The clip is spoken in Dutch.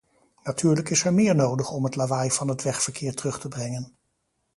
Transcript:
Natuurlijk is er meer nodig om het lawaai van het wegverkeer terug te brengen.